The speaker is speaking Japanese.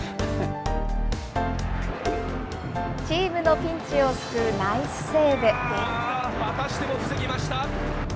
チームのピンチを救うナイスまたしても防ぎました。